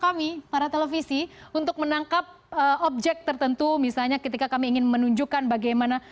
kami para televisi untuk menangkap objek tertentu misalnya ketika kami ingin menunjukkan bagaimana